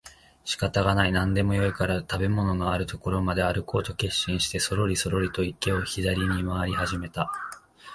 仕方がない、何でもよいから食物のある所まであるこうと決心をしてそろりそろりと池を左に廻り始めた